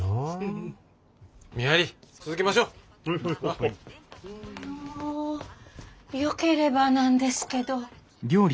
あのよければなんですけど。